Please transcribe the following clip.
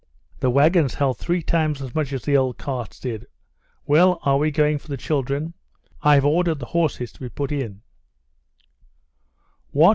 "The wagons held three times as much as the old carts did. Well, are we going for the children? I've ordered the horses to be put in." "What!